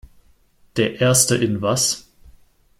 Der Erste in was?